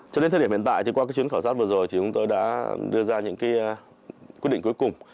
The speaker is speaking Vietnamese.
cho đến thời điểm hiện tại qua chuyến khảo sát vừa rồi chúng tôi đã đưa ra những quyết định cuối cùng